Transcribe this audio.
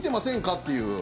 っていう。